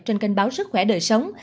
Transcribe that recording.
trên kênh báo sức khỏe đời sống